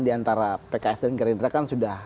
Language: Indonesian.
diantara pks dan gerindra kan sudah